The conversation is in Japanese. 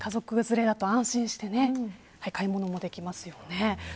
それだと安心して買い物ができますよね。